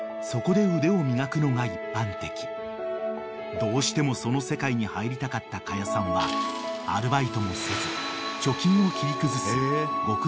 ［どうしてもその世界に入りたかった可夜さんはアルバイトもせず］